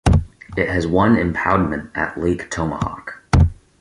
It has one impoundment at Lake Tomahawk.